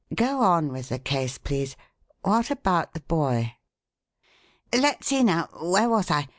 Go on with the case, please. What about the boy?" "Let's see, now, where was I?"